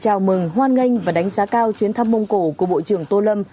chào mừng hoan nghênh và đánh giá cao chuyến thăm mông cổ của bộ trưởng tô lâm